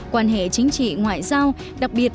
quan hệ chính trị ngoại giao đặc biệt